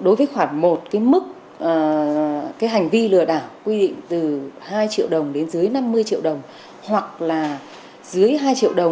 đối với khoản một cái mức cái hành vi lừa đảo quy định từ hai triệu đồng đến dưới năm mươi triệu đồng hoặc là dưới hai triệu đồng